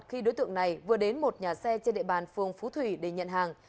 khi đối tượng này vừa đến một nhà xe trên địa bàn phường phú thủy để nhận hàng